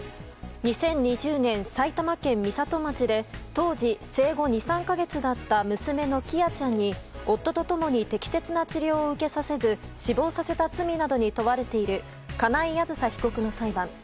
２０２０年、埼玉県美里町で当時生後２３か月だった娘の喜空ちゃんに夫と共に適切な治療を受けさせず死亡させた罪などに問われている金井あずさ被告の裁判。